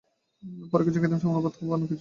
পরে কিছু খাইতাম, সামান্য ভাত বা অন্য কিছু।